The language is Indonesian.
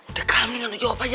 udah kalem nih gak ngejawab aja